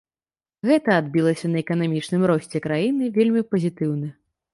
Гэта адбілася на эканамічным росце краіны вельмі пазітыўна.